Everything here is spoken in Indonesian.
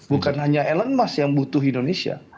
bukan hanya elon musk yang butuh indonesia